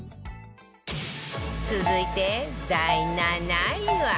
続いて第７位は